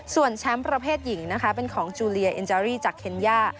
ส่วนแชมป์ประเภทหญิงนะคะเป็นของจูเลียเอ็นจารีจากเคนย่า